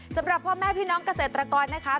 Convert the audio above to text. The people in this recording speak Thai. สำหรับพ่อแม่พี่น้องเกษตรกรนะคะ